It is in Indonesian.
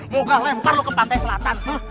muka lempar lo ke pantai selatan